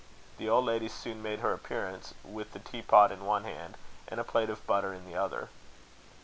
The old lady soon made her appearance, with the teapot in one hand, and a plate of butter in the other.